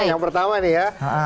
yang pertama nih ya